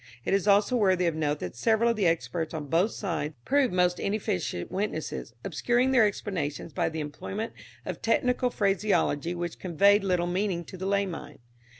It is also worthy of note that several of the experts on both sides proved most inefficient witnesses, obscuring their explanations by the employment of technical phraseology which conveyed little meaning to the lay mind.